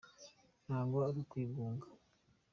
ntago arukwigunga.